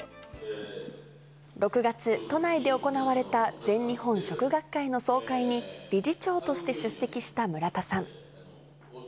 ６月、都内で行われた全日本・食学会の総会に理事長として出席した村田さん。